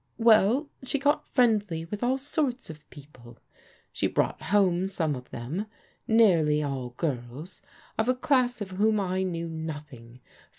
Well, she got friendly with all sorts of people. She brought home some of them, nearly all g^rls of a class of whom I knew nothing.